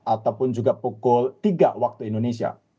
ataupun juga pukul tiga waktu indonesia